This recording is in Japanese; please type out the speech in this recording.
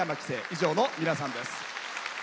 以上の皆さんです。